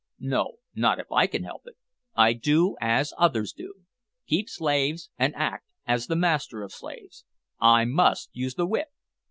No, not if I can help it. I do as others do keep slaves and act as the master of slaves. I must use the whip.